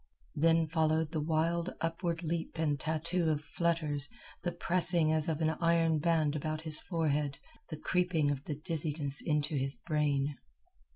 Then followed the wild upward leap and tattoo of flutters, the pressing as of an iron band about his forehead, the creeping of the dizziness into his brain.